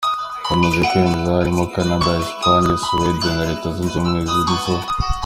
ryamaze kwemezwamo harimo Canada, Esipanye, Suwede, na Leta zimwe na zimwe zo.